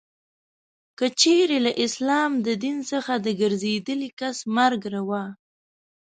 که چیري له اسلام د دین څخه د ګرځېدلې کس مرګ روا.